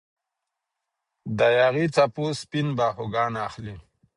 د یاغي څپو سپین باهوګان اخلي